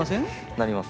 なります。